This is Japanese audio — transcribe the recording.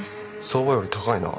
相場より高いな。